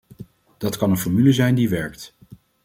Dat kan een formule zijn die werkt.